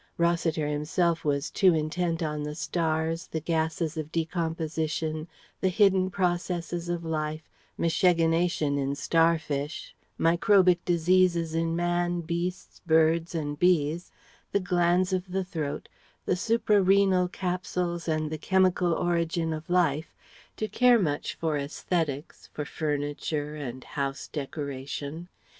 Rossiter himself was too intent on the stars, the gases of decomposition, the hidden processes of life, miscegenation in star fish, microbic diseases in man, beasts, birds and bees, the glands of the throat, the suprarenal capsules and the chemical origin of life to care much for æsthetics, for furniture and house decoration.